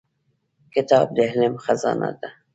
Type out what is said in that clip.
کتاب د علم خزانه ده.